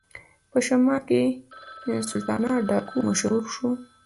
په شمالي هند کې سلطانه ډاکو مشهور شو.